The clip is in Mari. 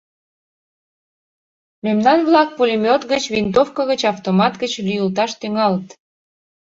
Мемнан-влак пулемет гыч, винтовко гыч, автомат гыч лӱйылташ тӱҥалыт.